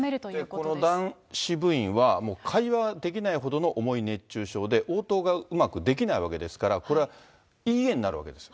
この男子部員は、もう会話できないほどの重い熱中症で、応答がうまくできないわけですから、これは、いいえになるわけです。